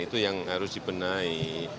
itu yang harus dibenahi